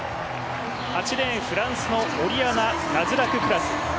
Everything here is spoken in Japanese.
８レーン、フランスのオリアナ・ラズラククラス。